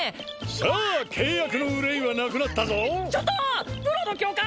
さあ契約の憂いはなくなったぞちょっとブロド教官！